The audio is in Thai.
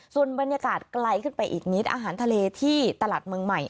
ส่วนบรรยากาศไกลขึ้นไปอีกนิดอาหารทะเลที่ตลาดเมืองใหม่